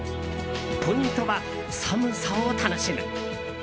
ポイントは寒さを楽しむ。